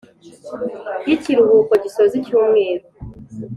Yi kiruhuko gisoza icyumweru.